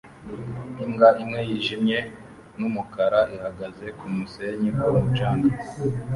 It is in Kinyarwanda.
Imbwa imwe yijimye numukara ihagaze kumusenyi ku mucanga